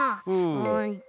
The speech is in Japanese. うんと。